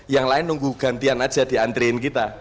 yang lain nunggu gantian aja diantriin kita